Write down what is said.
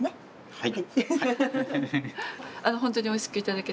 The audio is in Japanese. はい。